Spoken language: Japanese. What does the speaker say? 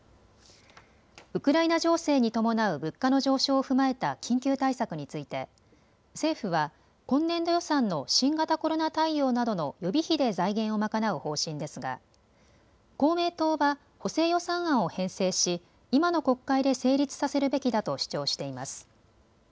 ウクライナ情勢に伴う物価の上昇を踏まえた緊急対策について政府は、今年度予算の新型コロナ対応などの予備費で財源を賄う方針ですが公明党は補正予算案を編成し今の国会で成立させるべきだと主張しています。